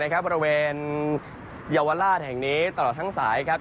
ขณะนี้เองประเวนเยาวราชแห่งนี้ตลอดทั้งสายครับ